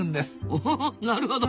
おおなるほど。